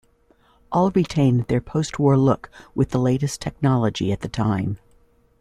All retained their postwar look with the latest technology at the time.